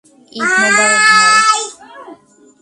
ঈদ মোবারক, ভাই।